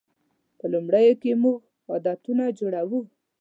په لومړیو کې موږ عادتونه جوړوو.